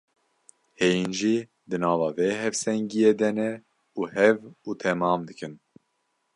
Heyîn jî di nava vê hevsengiyê de ne û hev û temam dikin.